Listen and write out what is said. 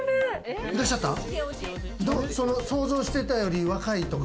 想像してたより若いとか？